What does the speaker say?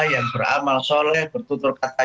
yang beramal soleh bertutur kata